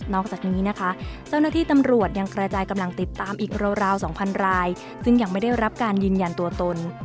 จากนี้นะคะเจ้าหน้าที่ตำรวจยังกระจายกำลังติดตามอีกราว๒๐๐รายซึ่งยังไม่ได้รับการยืนยันตัวตน